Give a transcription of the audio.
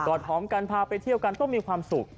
อดหอมกันพาไปเที่ยวกันต้องมีความสุข